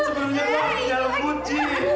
sebenernya aku gak punya rambut ji